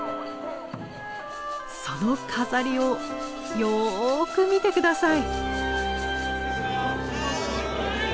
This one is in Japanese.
その飾りをよく見て下さい！